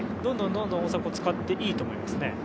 どんどん大迫を使っていいと思いますね。